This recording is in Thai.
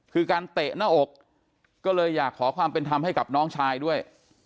คือการเตะหน้าอกก็เลยอยากขอความเป็นธรรมให้กับน้องชายด้วย